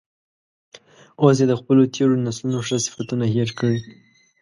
اوس یې د خپلو تیرو نسلونو ښه صفتونه هیر کړي.